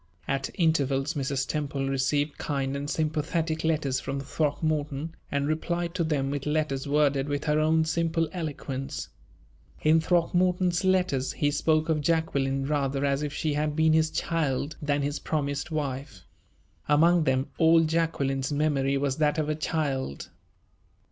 At intervals Mrs. Temple received kind and sympathetic letters from Throckmorton, and replied to them with letters worded with her own simple eloquence. In Throckmorton's letters he spoke of Jacqueline rather as if she had been his child than his promised wife. Among them all Jacqueline's memory was that of a child.